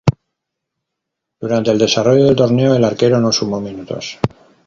Durante el desarrollo del torneo, el arquero no sumó minutos.